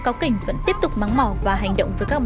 thôi cho nó đi chỗ khác lại chơi đi nhá